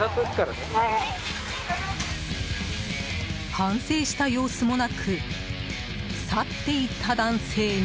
反省した様子もなく去っていった男性に。